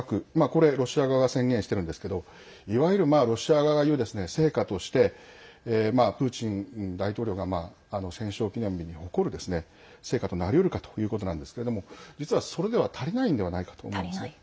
これ、ロシア側が宣言しているんですけどいわゆるロシア側が言う成果としてプーチン大統領が戦勝記念日に誇る成果となりうるかということなんですけれども実は、それでは足りないのではないかと思うんですね。